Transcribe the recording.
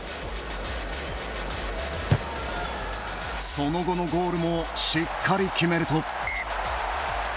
その後のゴールもしっかり決めると。